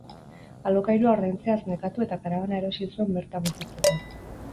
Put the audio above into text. Alokairua ordaintzeaz nekatu eta karabana erosi zuen bertan bizitzeko.